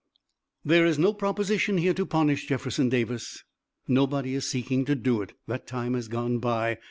"There is no proposition here to punish Jefferson Davis. Nobody is seeking to do it. That time has gone by.